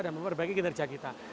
dan memperbaiki kinerja kita